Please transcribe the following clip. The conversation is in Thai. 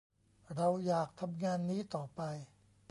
เราอยากทำงานนี้ต่อไป